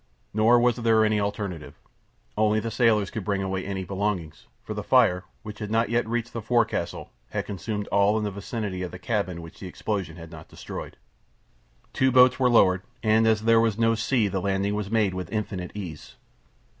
Nor was there other alternative. Only the sailors could bring away any belongings, for the fire, which had not yet reached the forecastle, had consumed all in the vicinity of the cabin which the explosion had not destroyed. Two boats were lowered, and as there was no sea the landing was made with infinite ease.